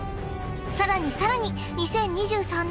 さらにさらに２０２３年